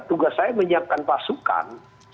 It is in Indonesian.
tugas saya menyiapkan pasukan